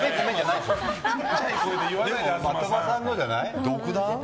的場さんのじゃない？